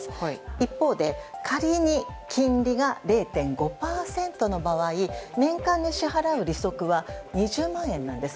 一方で仮に金利が０．５％の場合年間で支払う利息は２０万円なんです。